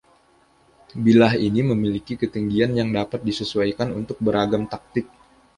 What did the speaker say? Bilah ini memiliki ketinggian yang dapat disesuaikan untuk beragam taktik.